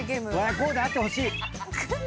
こうであってほしい。